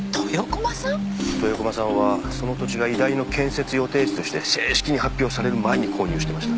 豊駒さんはその土地が医大の建設予定地として正式に発表される前に購入してました。